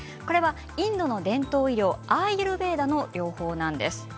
インドの伝統医療アーユルヴェーダの療法なんです。